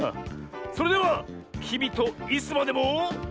それでは「きみとイスまでも」。